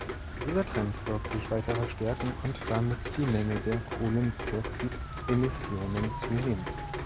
Dieser Trend wird sich weiter verstärken und damit die Menge der Kohlendioxidemissionen zunehmen.